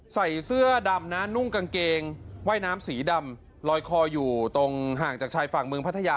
ใส่เสื้อดำนะนุ่งกางเกงว่ายน้ำสีดำลอยคออยู่ตรงห่างจากชายฝั่งเมืองพัทยา